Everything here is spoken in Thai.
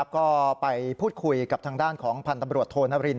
ก็ไปพูดคุยกับทางด้านของพันธ์ตำรวจโทนริน